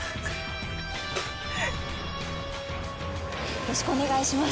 よろしくお願いします。